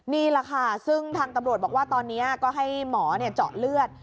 นี่แหละค่ะซึ่งทางตำรวจบอกว่าตอนนี้ก็ให้หมอเจาะเลือด